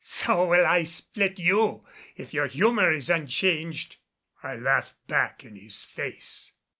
"So will I split you, if your humor is unchanged." I laughed back in his face.